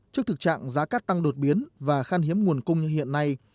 trước thực trạng giá cát tăng đột biến và khan hiếm nguồn cung như hiện nay